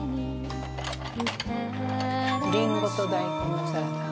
りんごと大根のサラダ。